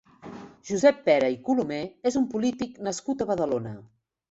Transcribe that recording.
Josep Pera i Colomé és un polític nascut a Badalona.